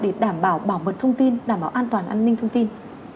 để đảm bảo bảo mật thông tin đảm bảo an toàn an ninh thông tin